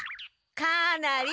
かなり。